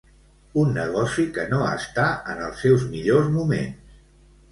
Un negoci que no està en els seus millors moments.